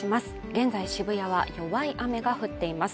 現在、渋谷は弱い雨が降っています。